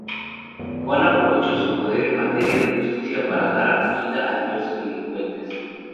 Juan aprovechó su poder en materia de justicia para dar acogida a diversos delincuentes.